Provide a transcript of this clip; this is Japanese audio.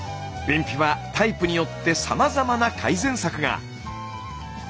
便秘はタイプによってさまざまな改善策が。